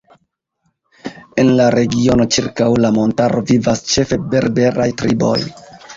En la regiono ĉirkaŭ la montaro vivas ĉefe berberaj triboj.